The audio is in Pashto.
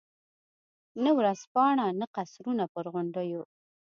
نه ورځپاڼه، نه قصرونه پر غونډیو.